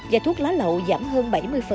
và thuốc lá lậu giảm hơn bảy mươi